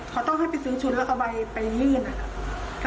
เขาต้องให้ไปซื้อชุดแล้วเขาไปยื่นนะครับ